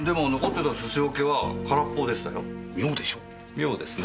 妙ですね。